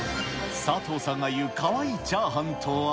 佐藤さんが言うかわいいチャーハンとは？